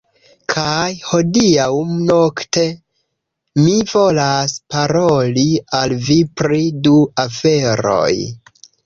Kaj hodiaŭ nokte, mi volas paroli al vi pri du aferoj.